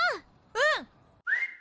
うん！